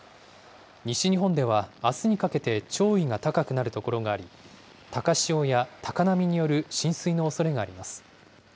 西日本ではあすにかけて潮位が高くなる所があり、高潮や高波による浸水のおそれがあります。